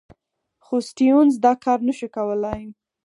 خو سټیونز دا کار نه شو کولای.